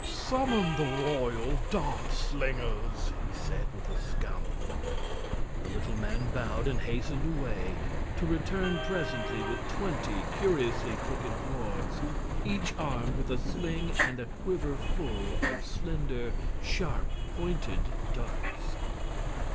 "Summon the royal Dart Slingers!" he said, with a scowl. The little man bowed and hastened away, to return presently with twenty curiously crooked dwarfs, each armed with a sling and a quiver full of slender, sharp pointed darts.